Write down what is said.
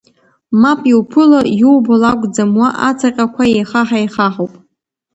Мап, иуԥыло, иубо лакәӡам, уа ацаҟьақәа еихаҳа-еихаҳауп.